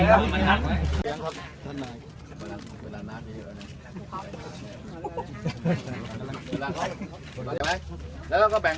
ครับต้อนรับให้ชี้น้ำแหง